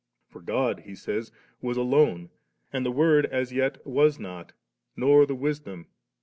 For God/ he says, * was alone, and the Word as yet was not, nor the Wisdom.